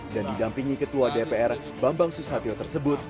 dan didampingi ketua dpr bambang susatyo tersebut